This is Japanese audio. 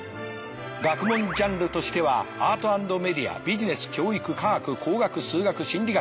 学問ジャンルとしてはアート＆メディアビジネス教育科学工学数学心理学